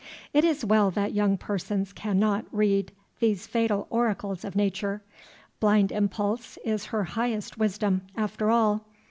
It is well that young persons cannot read these fatal oracles of Nature. Blind impulse is her highest wisdom, after all.